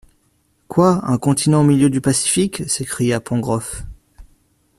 Quoi un continent au milieu du Pacifique s’écria Pencroff.